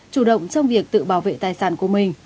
chủ động trong việc tự bảo vệ tài sản của mình